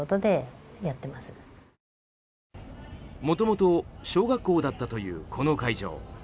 もともと、小学校だったというこの会場。